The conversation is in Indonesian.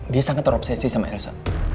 dia sangat terobsesi sama elsa